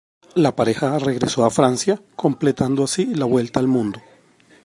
La pareja regresó a Francia, completando así la vuelta al mundo.